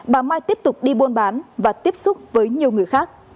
bà mai tiếp tục đi buôn bán và tiếp xúc với nhiều người khác